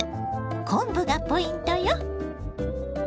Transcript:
昆布がポイントよ。